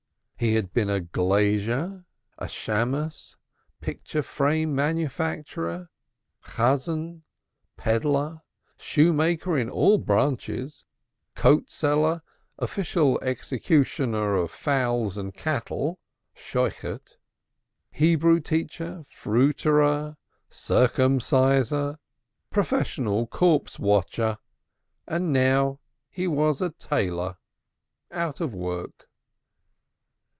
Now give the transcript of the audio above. He had been glazier, synagogue beadle, picture frame manufacturer, cantor, peddler, shoemaker in all branches, coat seller, official executioner of fowls and cattle, Hebrew teacher, fruiterer, circumciser, professional corpse watcher, and now he was a tailor out of work.